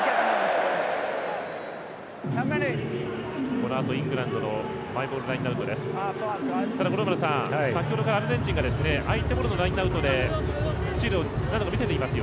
このあとイングランドのマイボールラインアウトです。